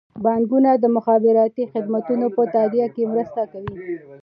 بانکونه د مخابراتي خدمتونو په تادیه کې مرسته کوي.